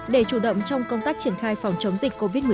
để chủ động trong công tác triển khai phòng chống dịch covid một mươi chín